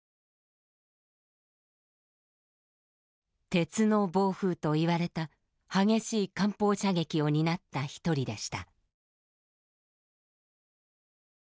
鉄の暴風といわれた激しい艦砲射撃を担った一人でした。